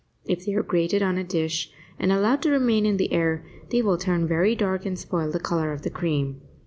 If they are grated on a dish and allowed to remain in the air they will turn very dark and spoil the color of the cream.